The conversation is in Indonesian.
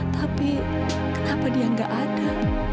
tapi kenapa dia nggak ada